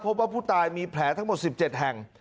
พบว่าผู้ตายมีแผลทั้งหมด๑๗แห่ง